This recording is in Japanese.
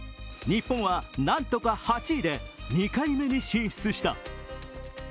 日本は、何とか８位で２回目に進出した。